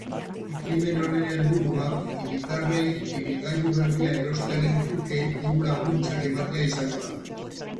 Ekimen honen helburua hiritarrei, ibilgailu berria erostearen truke diru-laguntzak ematea izango da.